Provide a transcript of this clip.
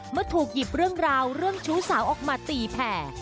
เมื่อถูกหยิบเรื่องราวเรื่องชู้สาวออกมาตีแผ่